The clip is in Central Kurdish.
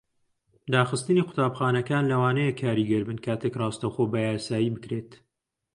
داخستنی قوتابخانەکان لەوانەیە کاریگەر بن کاتێک ڕاستەوخۆ بەیاسایی بکرێت.